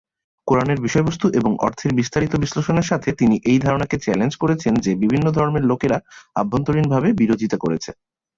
কোরআনের বিষয়বস্তু এবং অর্থের বিস্তারিত বিশ্লেষণের সাথে, তিনি এই ধারণাকে চ্যালেঞ্জ করেছেন যে বিভিন্ন ধর্মের লোকেরা অভ্যন্তরীণভাবে বিরোধিতা করছে।